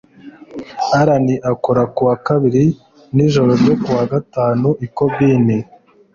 Allan akora ku wa kabiri nijoro ryo kuwa gatanu i Konbini.